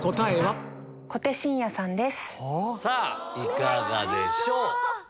さぁいかがでしょう？